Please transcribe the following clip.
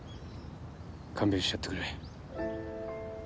勘弁してやってくれ。